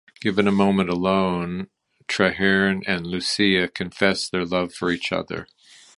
Given a moment alone, Traherne and Lucilla confess their love for each other.